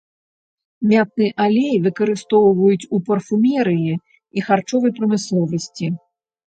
Мятны алей выкарыстоўваюць у парфумерыі і харчовай прамысловасці.